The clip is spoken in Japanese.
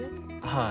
はい。